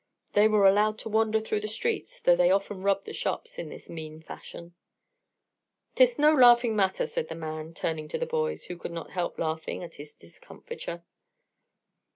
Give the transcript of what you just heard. They were allowed to wander through the streets, though they often robbed the shops in this mean fashion. "'Tis no laughing matter," said the man, turning to the boys, who could not help laughing at his discomfiture.